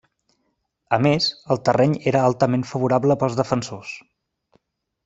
A més, el terreny era altament favorable pels defensors.